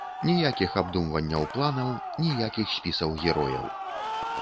Ніякіх абдумванняў планаў, ніякіх спісаў герояў.